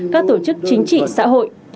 các tổ chức chính trị xã hội